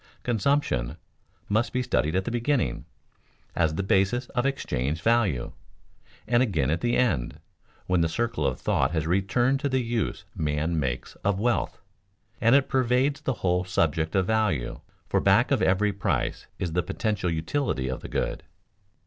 Consumption must be studied at the beginning, as the basis of exchange value, and again at the end, when the circle of thought has returned to the use man makes of wealth; and it pervades the whole subject of value, for back of every price is the potential utility of the good.